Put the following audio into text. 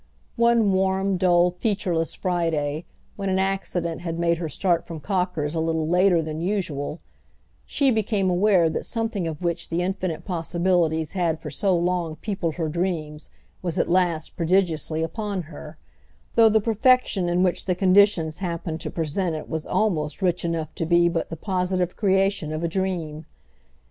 One warm dull featureless Friday, when an accident had made her start from Cocker's a little later than usual, she became aware that something of which the infinite possibilities had for so long peopled her dreams was at last prodigiously upon her, though the perfection in which the conditions happened to present it was almost rich enough to be but the positive creation of a dream.